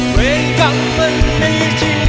แต่ค่ะมาจากนี้กับอาทิตย์สุดล็อค